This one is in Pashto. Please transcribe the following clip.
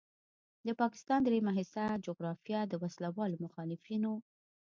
د پاکستان دریمه حصه جغرافیه د وسلوالو مخالفینو